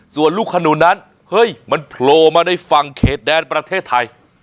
ส่วนลูกขนุนนั้นเฮ้ยมันโผล่มาในฝั่งเขตแดนประเทศไทย